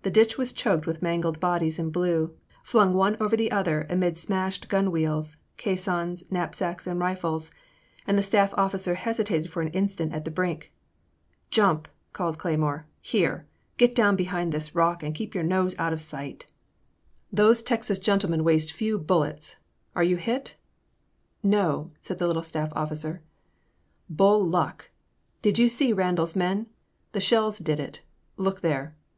The ditch was choked with mangled bodies in blue, flung one over the other amid smashed gun wheels, caissons, knapsacks, and rifles ; and the staff officer hesitated for an instant at the brink. '* Jump !'' called Cleymore, '' here ! Get down behind this rock and keep your nose out of sight; In the Name of the Most High. 203 those Texas gentlemen waste few bullets; are you hit?" "No/* said the litUe staflF officer. '' Bull luck; did you see Randal's men ? The shells did it — ^look there."